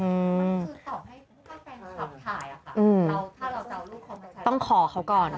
มันคือตอบให้ผู้ชายแฟนคลับถ่ายอะค่ะถ้าเราจะเอาลูกค้อมาใช้